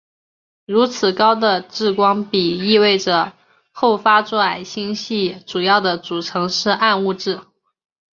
如此高的质光比意味着后发座矮星系主要的组成是暗物质。